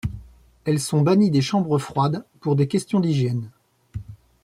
Elles sont bannies des chambres froides pour des questions d’hygiène.